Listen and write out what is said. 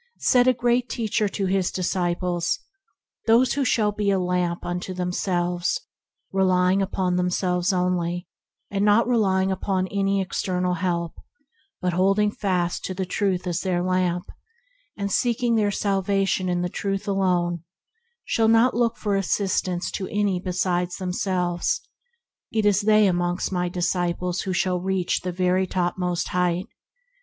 Said a great Teacher to his disciples: "Those who shall be a lamp unto themselves, relying upon themselves only, and not relying upon any external help, but holding fast to the Truth as their lamp, and, seeking their salvation in the Truth alone, shall not look for assistance to any besides themselves, it is they among my disciples who shall reach the very topmost height!